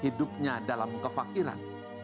hidupnya dalam kefakiran